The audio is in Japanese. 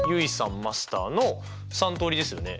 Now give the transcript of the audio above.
マスターの３通りですよね。